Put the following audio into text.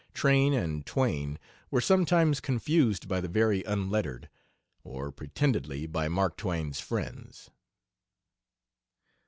Train and Twain were sometimes confused by the very unlettered; or pretendedly, by Mark Twain's friends.